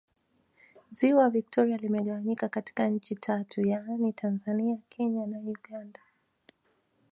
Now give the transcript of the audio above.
Ziwa Victoria limegawanyika katika nchi tatu yaani Tanzania Kenya na Uganda